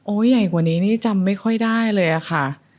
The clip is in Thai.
ใหญ่กว่านี้นี่จำไม่ค่อยได้เลยอะค่ะ